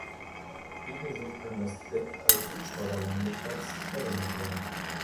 Ebenso kann das Deck als Hubschrauberlandeplatz verwendet werden.